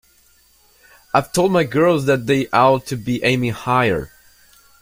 I've told my girls that they ought to be aiming higher.